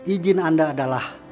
ijin anda adalah